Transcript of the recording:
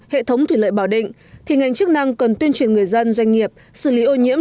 hệ thống thủy lợi bảo định thì ngành chức năng cần tuyên truyền người dân doanh nghiệp xử lý ô nhiễm